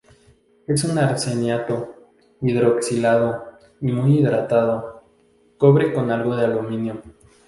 Es un arseniato, hidroxilado y muy hidratado, de cobre con algo de aluminio.